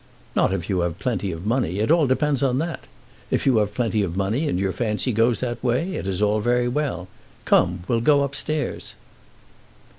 "Not if you have plenty of money. It all depends on that. If you have plenty of money, and your fancy goes that way, it is all very well. Come, we'll go upstairs."